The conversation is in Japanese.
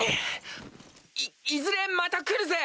いいずれまた来るぜ。